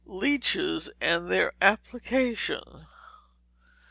Leeches and their Application.